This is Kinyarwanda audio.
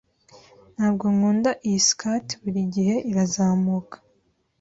Ntabwo nkunda iyi skirt. Buri gihe irazamuka.